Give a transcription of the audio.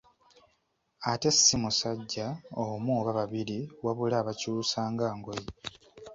Ate ssi musajja omu oba babiri wabula abakyusa nga ngoye.